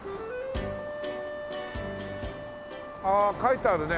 ああ書いてあるね